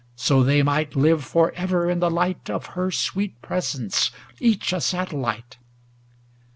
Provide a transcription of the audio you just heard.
So they might live forever in the light Of her sweet presence ŌĆö each a satellite.